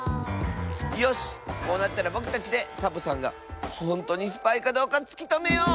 よしこうなったらぼくたちでサボさんがほんとうにスパイかどうかつきとめよう！